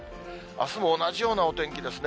あすも同じようなお天気ですね。